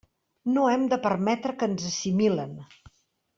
No hem de permetre que ens assimilen.